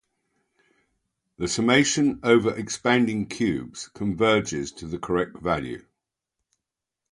The summation over expanding cubes converges to the correct value.